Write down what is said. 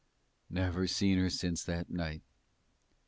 Never seen her since that night.